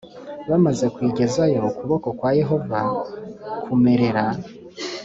Bamaze kuyigezayo ukuboko kwa Yehova e kumerera